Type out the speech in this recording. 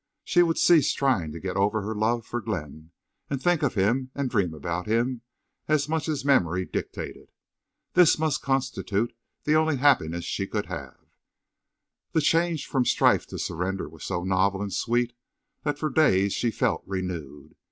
She would cease trying to get over her love for Glenn, and think of him and dream about him as much as memory dictated. This must constitute the only happiness she could have. The change from strife to surrender was so novel and sweet that for days she felt renewed.